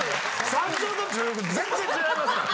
山頂と中腹全然違いますから。